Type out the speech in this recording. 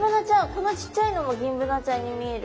このちっちゃいのもギンブナちゃんに見える。